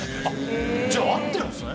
じゃ合ってるんですね？